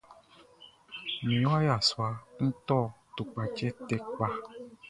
Mi wa yassua kun tɔ tupkatʃɛ tɛ kpa.